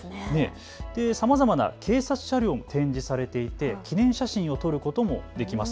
さまざまな警察車両も展示されていて記念写真を撮ることもできます。